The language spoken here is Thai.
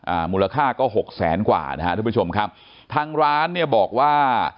อ่ามูลค่าก็หกแสนกว่านะฮะทุกผู้ชมครับทางร้านเนี่ยบอกว่า